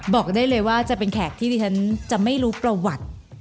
บอกได้เลยว่าจะเป็นแขกที่ดิฉันจะไม่รู้ประวัติ